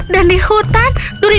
dan di hutan